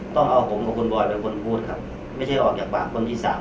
ต้องเอาผมกับคุณบอยเป็นคนพูดครับไม่ใช่ออกจากปากคนที่สาม